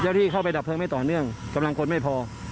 ที่เข้าไปดับเพลิงไม่ต่อเนื่องกำลังคนไม่พอ